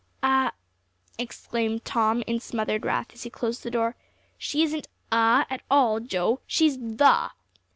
"'A,'" exclaimed Tom, in smothered wrath, as he closed the door. "She isn't 'a' at all, Joe. She's 'the.'"